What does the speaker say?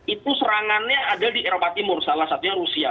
itu serangannya ada di eropa timur salah satunya rusia